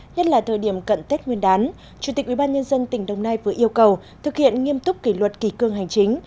nhất là thời điểm cận tết nguyên đán chủ tịch ubnd tỉnh đồng nai vừa yêu cầu thực hiện nghiêm túc kỷ luật kỳ cương hành chính